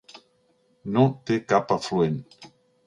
No té cap afluent.